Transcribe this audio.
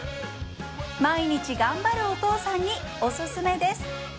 毎日頑張るお父さんにオススメです！